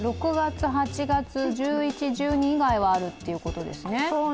６月、８月、１１月、１２月以外はあるということですね。